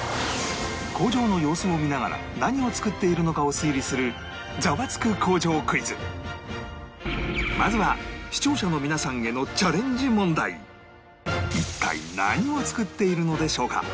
工場の様子を見ながら何を作っているのかを推理するまずは視聴者の皆さんへの一体何を作っているのでしょうか？